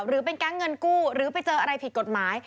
หรือเป็นแก๊งเงินกู้หรือไปเจออะไรผิดกฎหมาย